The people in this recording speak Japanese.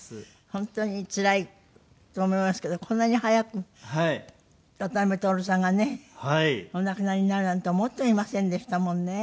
本当につらいと思いますけどこんなに早く渡辺徹さんがねお亡くなりになるなんて思ってもいませんでしたもんね。